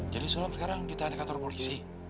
jadi sulam sekarang ditahan di kantor polisi